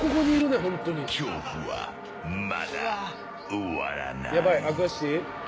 恐怖はまだ終わらない。